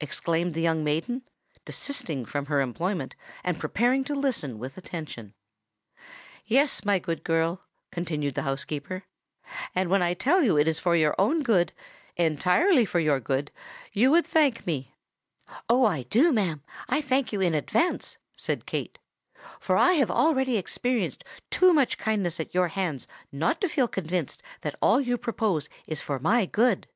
exclaimed the young maiden, desisting from her employment, and preparing to listen with attention. "Yes, my dear girl," continued the housekeeper; "and when I tell you that it is for your good—entirely for your good—you would thank me——" "Oh! I do, ma'am—I thank you in advance," said Kate; "for I have already experienced too much kindness at your hands not to feel convinced that all you propose is for my good."